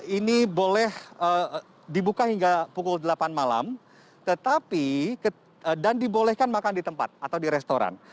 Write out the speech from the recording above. ini boleh dibuka hingga pukul delapan malam dan dibolehkan makan di tempat atau di restoran